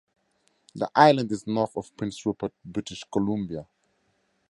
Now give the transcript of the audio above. The island is north of Prince Rupert, British Columbia.